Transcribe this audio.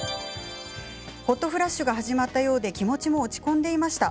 ホットフラッシュが始まったようで気持ちも落ち込んでいました。